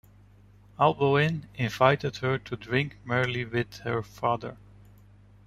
Alboin "invited her to drink merrily with her father".